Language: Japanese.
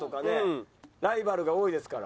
ライバルが多いですから。